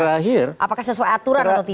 apakah sesuai aturan atau tidak